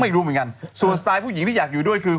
ไม่รู้เหมือนกันส่วนสไตล์ผู้หญิงที่อยากอยู่ด้วยคือ